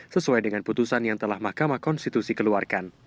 sesuai dengan putusan yang telah mahkamah konstitusi keluarkan